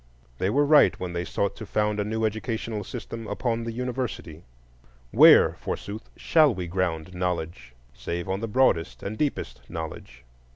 They were right when they sought to found a new educational system upon the University: where, forsooth, shall we ground knowledge save on the broadest and deepest knowledge?